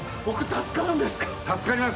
僕助かるんですか？